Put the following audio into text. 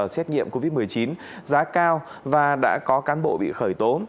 xét nghiệm covid một mươi chín giá cao và đã có cán bộ bị khởi tố